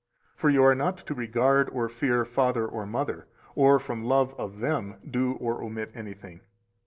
For you are not to regard or fear father or mother, or from love of them do or omit anything.